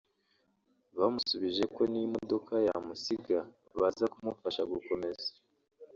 Bamusubije ko niyo imodoka yamusiga baza kumufasha gukomeza